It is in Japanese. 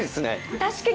確かに。